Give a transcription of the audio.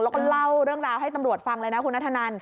แล้วก็เล่าเรื่องราวให้ตำรวจฟังเลยนะคุณนัทธนัน